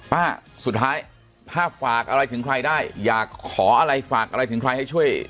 ป้าสุดท้ายถ้าฝากอะไรถึงใครได้อยากขออะไรฝากอะไรถึงใครให้ช่วย